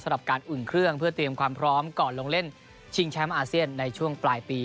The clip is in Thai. สำหรับการอุ่นเครื่องเพื่อเตรียมความพร้อมก่อนลงเล่นชิงแชมป์อาเซียนในช่วงปลายปี